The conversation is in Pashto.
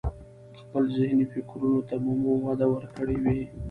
خپل ذهني فکرونو ته به مو وده ورکړي وي.